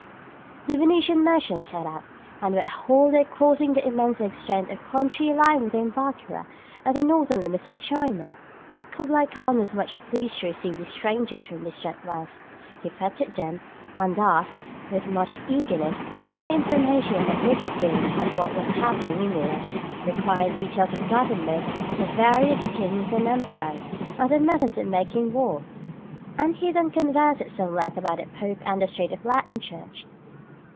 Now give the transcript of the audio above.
The Venetian merchants set out, and were a whole year crossing the immense extent of country lying between Bokhara and the northern limits of China. Kublaï Khan was much pleased to receive these strangers from the distant West. He fêted them, and asked, with much eagerness, for any information that they could give him of what was happening in Europe, requiring details of the government of the various kings and emperors, and their methods of making war; and he then conversed at some length about the Pope and the state of the Latin Church.